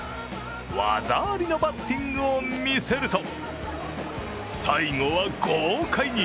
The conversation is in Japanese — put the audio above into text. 技ありのバッティングを見せると最後は豪快に。